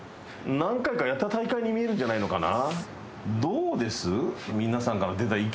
何回かやった大会に見えるんじゃないのかな。